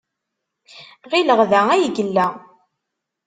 Ɣileɣ da ay yella.